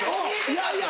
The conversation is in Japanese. いやいや。